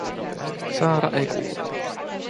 Saara ei kuule.